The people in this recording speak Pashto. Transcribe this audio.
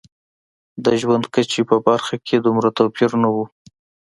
د ژوند کچې په برخه کې دومره توپیر نه و.